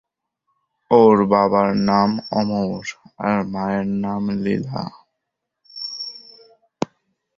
ওর বাবার নাম অমর, আর মায়ের নাম লীলা।